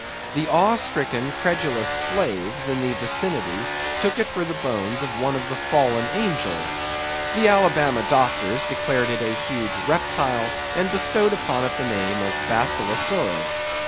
The awe stricken credulous slaves in the vicinity took it for the bones of one of the fallen angels. The Alabama doctors declared it a huge reptile, and bestowed upon it the name of Basilosaurus.